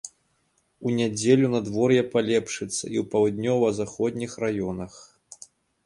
У нядзелю надвор'е палепшыцца і ў паўднёва-заходніх раёнах.